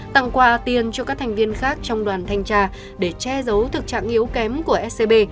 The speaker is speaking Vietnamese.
tặng quà tiền cho các thành viên khác trong đoàn thanh tra để che giấu thực trạng yếu kém của scb